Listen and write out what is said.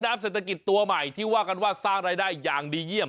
เศรษฐกิจตัวใหม่ที่ว่ากันว่าสร้างรายได้อย่างดีเยี่ยม